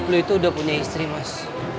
lu itu udah punya istri mas